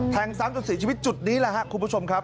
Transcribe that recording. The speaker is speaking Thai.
ซ้ำจนเสียชีวิตจุดนี้แหละครับคุณผู้ชมครับ